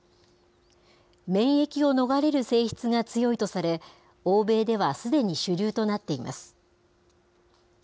免疫を逃れる性質が強いとされ、欧米ではすでに主流となっています。